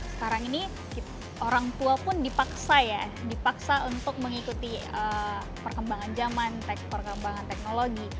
sekarang ini orang tua pun dipaksa ya dipaksa untuk mengikuti perkembangan zaman teks perkembangan teknologi